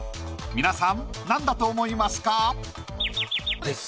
皆さんなんだと思いますか？